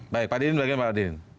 pak dinin bagaimana pak dinin